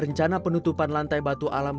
rencana penutupan lantai batu alam